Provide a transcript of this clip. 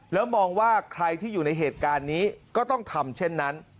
แล้วมองว่าใครที่อยู่ในเหตุการณ์นี้ก็ต้องทำเช่นนั้น